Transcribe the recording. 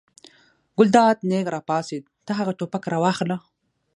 ګلداد نېغ را پاڅېد: ته هغه ټوپک راواخله.